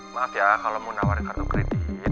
maaf ya kalau mau nawarin kartu kredit